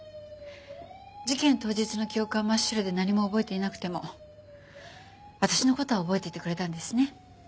事件当日の記憶は真っ白で何も覚えていなくても私の事は覚えててくれたんですね。